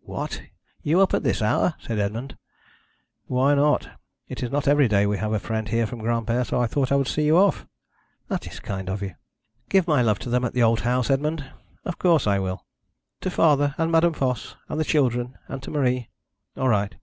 'What? you up at this hour?' said Edmond. 'Why not? It is not every day we have a friend here from Granpere, so I thought I would see you off.' 'That is kind of you.' 'Give my love to them at the old house, Edmond.' 'Of course I will.' 'To father, and Madame Voss, and the children, and to Marie.' 'All right.'